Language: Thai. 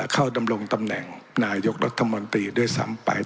ดำรงตำแหน่งนายกรัฐมนตรีด้วยซ้ำไป